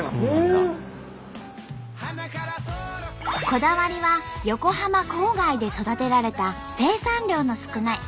こだわりは横浜郊外で育てられた生産量の少ない貴重な小麦。